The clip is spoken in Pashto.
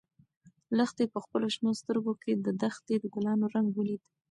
لښتې په خپلو شنه سترګو کې د دښتې د ګلانو رنګ ولید.